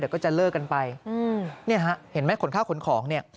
เดี๋ยวก็จะเลิกกันไป